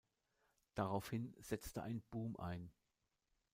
Daraufhin setzte ein Boom ein.